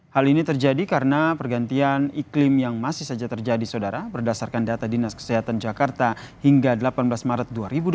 hal ini terjadi karena pergantian iklim yang masih saja terjadi saudara berdasarkan data dinas kesehatan jakarta hingga delapan belas maret dua ribu dua puluh